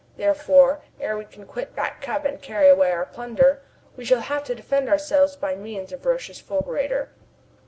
Therefore, ere we can quit Back Cup and carry away our plunder, we shall have to defend ourselves by means of Roch's fulgurator."